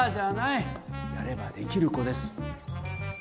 やればできる子です。